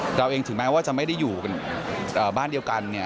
จนไม่ได้รู้สึกสำคัญว่าเราถึงว่าจะอยู่ในบ้านเดียวกัน